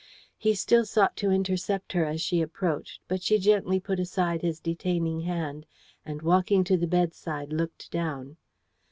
He still sought to intercept her as she approached, but she gently put aside his detaining hand, and, walking to the bedside, looked down.